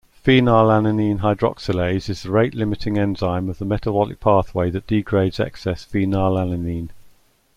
Phenylalanine hydroxylase is the rate-limiting enzyme of the metabolic pathway that degrades excess phenylalanine.